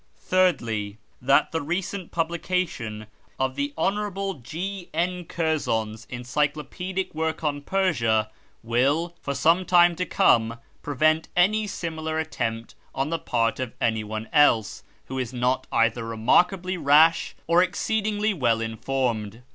Thirdly, that the recent publication of the Hon. U. N. Curzon's encyclopedic work on Persia will for some time to come prevent any similar attempt on the part of any one else who is not either remark ably rash or exceedingly well informed.